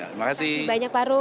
terima kasih banyak parung